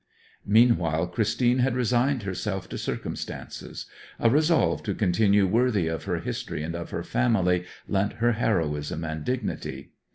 Meanwhile Christine had resigned herself to circumstances. A resolve to continue worthy of her history and of her family lent her heroism and dignity.